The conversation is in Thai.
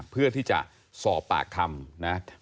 เพื่อที่จะสอบปากคำนะ